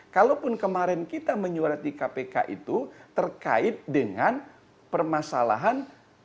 kalaupun kemarin kita menyuarat di kpk itu terkait dengan permasalahan